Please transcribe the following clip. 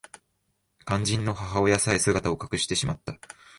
肝心の母親さえ姿を隠してしまった